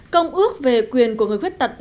công ước về quyền của người khuyết thật